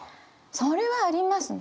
それはありますね。